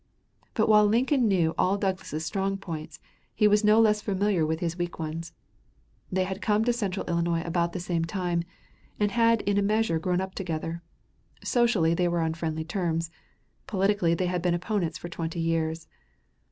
But while Lincoln knew all Douglas's strong points he was no less familiar with his weak ones. They had come to central Illinois about the same time, and had in a measure grown up together. Socially they were on friendly terms; politically they had been opponents for twenty years.